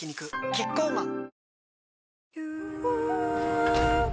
キッコーマン